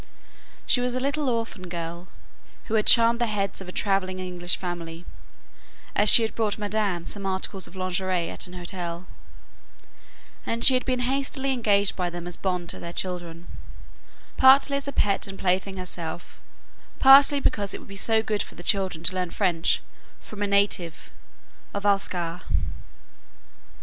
She was a little orphan girl, who had charmed the heads of a travelling English family, as she had brought madame some articles of lingerie at an hotel; and she had been hastily engaged by them as bonne to their children, partly as a pet and plaything herself, partly because it would be so good for the children to learn French from a native (of Alsace!).